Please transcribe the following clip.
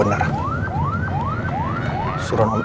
ini sudah berhasil